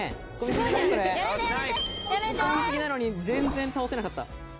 全然倒せなかった。